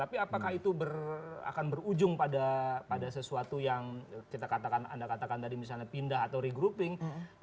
tapi apakah itu akan berujung pada sesuatu yang kita katakan anda katakan tadi misalnya pindah atau regrouping